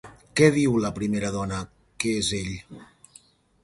Què diu la primera dona que és ell?